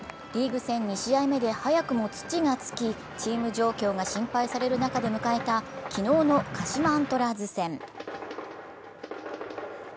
リーグ戦２試合目で早くも土がつきチーム状況が心配される中で迎えた昨日の鹿島アントラーズ戦。